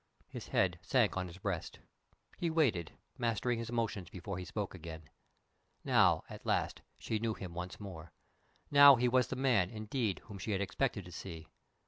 His head sank on his breast. He waited mastering his emotion before he spoke again. Now, at last, she knew him once more. Now he was the man, indeed, whom she had expected to see.